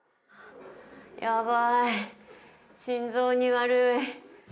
やばい、心臓に悪い。